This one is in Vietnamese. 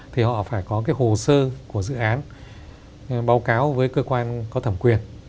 thì họ phải có cái hồ sơ của dự án báo cáo với cơ quan có thẩm quyền